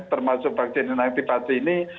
termasuk vaksin inaktifasi ini